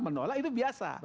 menolak itu biasa